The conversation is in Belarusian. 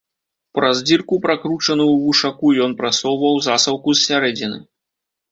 Праз дзірку, пракручаную ў вушаку, ён пасоўваў засаўку з сярэдзіны.